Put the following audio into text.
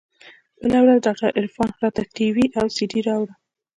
بله ورځ ډاکتر عرفان راته ټي وي او سي ډي راوړه.